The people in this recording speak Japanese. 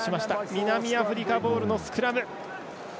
南アフリカボールのスクラム。